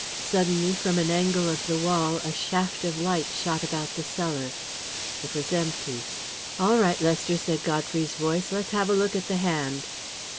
Suddenly, from an angle of the wall, a shaft of light shot about the cellar. It was empty. "All right, Lester," said Godfrey's voice. "Let's have a look at the hand."